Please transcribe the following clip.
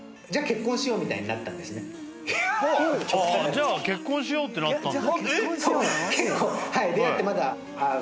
「じゃあ結婚しよう」ってなったんだ。